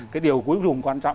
cái điều cuối cùng quan trọng